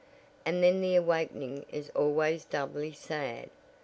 And then the awakening is always doubly sad.